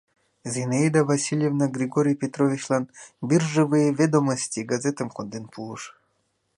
Зинаида Васильевна Григорий Петровичлан «Биржевые ведомости» газетым конден пуыш.